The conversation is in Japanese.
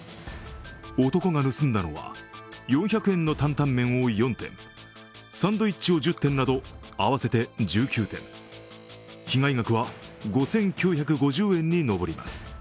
男が盗んだのは４００円の担々麺を４点サンドイッチを１０点など、合わせて１９点、被害額は５９５０円に上ります。